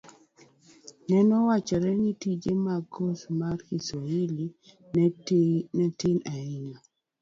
nene owachre ni tije mag kos mar kiswahili ne tin ahinya.